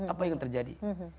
apa yang terjadi